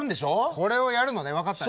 これをやるのね分かった。